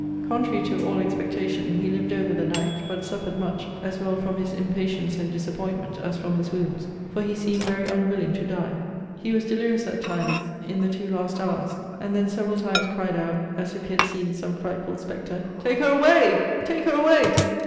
Contrary to all expectation, he lived over the night: but suffered much, as well from his impatience and disappointment, as from his wounds; for he seemed very unwilling to die. He was delirious, at times, in the two last hours: and then several times cried out, as if he had seen some frightful spectre, Take her away! Take her away!